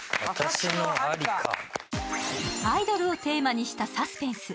アイドルをテーマにしたサスペンス。